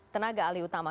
tenaga alih utama